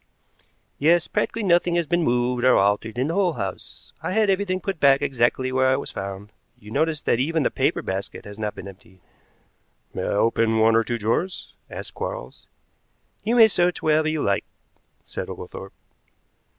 "Yes; practically nothing has been moved or altered in the whole house. I had everything put back exactly where it was found. You notice that even the paper basket has not been emptied." "May I open one or two drawers?" asked Quarles. "You may search wherever you like," said Oglethorpe.